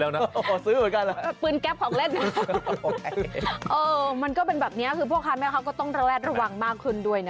มันก็เป็นแบบนี้คือพ่อค้าแม่ค้าก็ต้องระแวดระวังมากขึ้นด้วยนะ